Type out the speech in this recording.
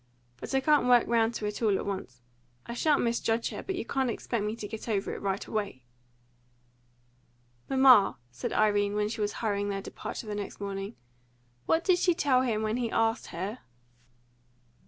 But I can't work round to it all at once. I shan't misjudge her, but you can't expect me to get over it right away." "Mamma," said Irene, when she was hurrying their departure the next morning, "what did she tell him when he asked her?"